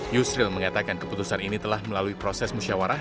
yusril mengatakan keputusan ini telah melalui proses musyawarah